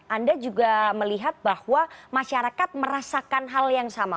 anda juga melihat bahwa masyarakat merasakan hal yang sama